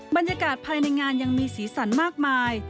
บรรยากาศภายในงานยังมีสีสันมากมาย